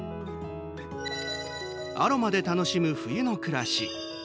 アロマで楽しむ冬の暮らし。